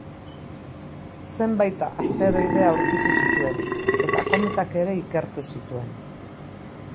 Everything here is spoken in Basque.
Zenbait asteroide aurkitu zituen, eta kometak ere ikertu zituen.